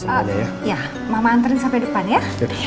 mama antarin sampai depan ya